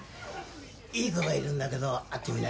いい子がいるんだけど会ってみない？